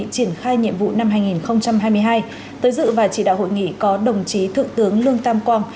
triển khai nhiệm vụ năm hai nghìn hai mươi hai tới dự và chỉ đạo hội nghị có đồng chí thượng tướng lương tam quang